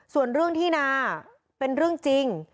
ส่วนเรื่องที่นาเป็นเรื่องจริง